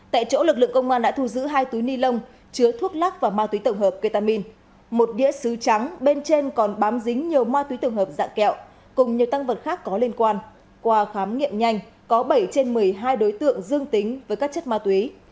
tại chỗ lực lượng công an đã thu giữ hai túi ni lông chứa thuốc lắc và ma túy tổng hợp ketamin một đĩa xứ trắng bên trên còn bám dính nhiều ma túy tổng hợp dạng kẹo cùng nhiều tăng vật khác có liên quan qua khám nghiệm nhanh có bảy trên một mươi hai đối tượng dương tính với các chất ma túy